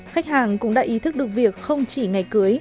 khách hàng cũng đã ý thức được việc không chỉ ngày cưới